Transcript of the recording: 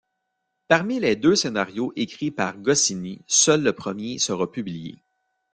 Parmi les deux scénarios écrits par Goscinny, seul le premier sera publié.